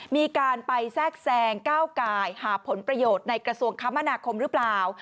มีการไปแทรกแซงก้าวกายหาผลประโยชน์ในกระทรวงคมนาคมหรือเปล่า